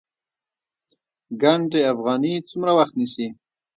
ګنډ افغاني څومره وخت نیسي؟